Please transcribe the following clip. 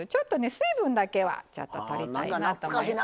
水分だけはちょっととりたいなと思います。